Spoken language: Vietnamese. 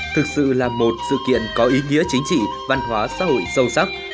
thực sự là một sự kiện có ý nghĩa chính trị văn hóa xã hội sâu sắc